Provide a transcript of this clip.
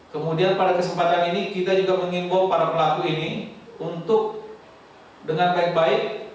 kemudian pada kesempatan ini kita juga mengimbau para pelaku ini untuk dengan baik baik